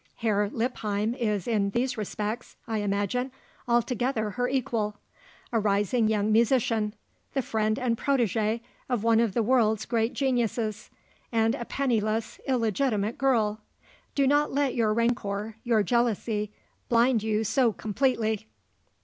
Herr Lippheim is, in these respects, I imagine, altogether her equal. A rising young musician, the friend and protégé of one of the world's great geniuses, and a penniless, illegitimate girl. Do not let your rancour, your jealousy, blind you so completely."